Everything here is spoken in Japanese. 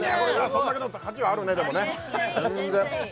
そんだけの価値はあるねでもね全然いい